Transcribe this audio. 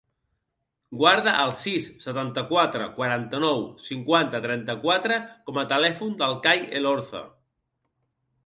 Guarda el sis, setanta-quatre, quaranta-nou, cinquanta, trenta-quatre com a telèfon del Kai Elorza.